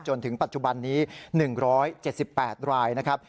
จนถึงปัจจุบันนี้๑๗๘รายนะครับ